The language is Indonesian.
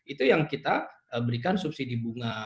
itu yang kita berikan subsidi bunga